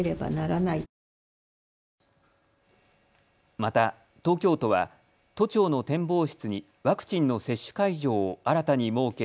また、東京都は都庁の展望室にワクチンの接種会場を新たに設け